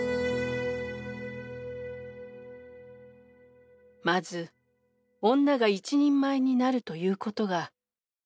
「まず女が一人前になるということが出発点なんです」。